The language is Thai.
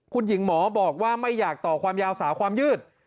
คุณหญิงหมอบอกว่าไม่อยากต่อความยาวสาวความยืด